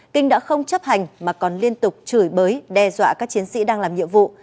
kinh đã không chấp hành mà còn liên tục chửi bới đe dọa các chiến sĩ đang làm nhiệm vụ